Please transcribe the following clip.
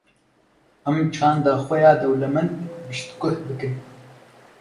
em çanda xwe ya dewlemed piştgoh bikin.